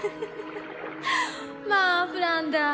「まあフランダー」